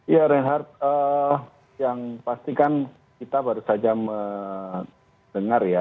ya renhar yang pastikan kita baru saja mendengar ya